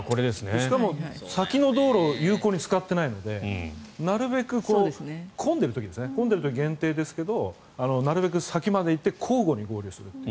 しかも、先の道路を有効に使ってないのでなるべく混んでる時限定ですがなるべく先まで行って交互に合流する。